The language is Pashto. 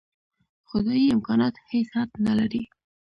خدايي امکانات هېڅ حد نه لري.